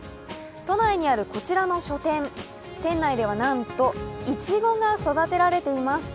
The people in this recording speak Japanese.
都内にあるこちらの書店、店内ではなんといちごが育てられています。